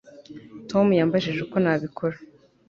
Tom yambajije uko nabikora